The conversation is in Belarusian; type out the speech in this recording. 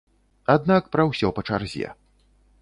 Аднак, пра ўсё па чарзе.